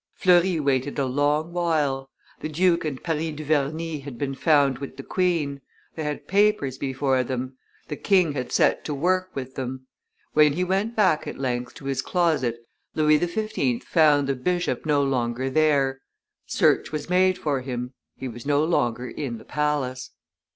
Fleury waited a long while. The duke and Paris Duverney had been found with the queen; they had papers before them; the king had set to work with them. When he went back, at length, to his closet, Louis XV. found the bishop no longer there; search was made for him; he was no longer in the palace.